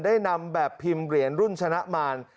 ได้นำแบบพิมพ์เหรียญรุ่นชนะมาร